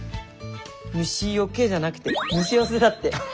「虫よけ」じゃなくて「虫よせ」だって。